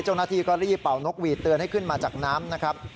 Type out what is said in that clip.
เจ้าหน้าที่ก็รีบเป่านกหวีดเตือนให้ขึ้นมาจากน้ำนะครับ